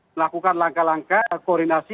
melakukan langkah langkah koordinasi